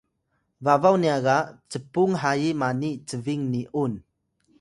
babaw nya ga cpung hayi mani cbing ni’un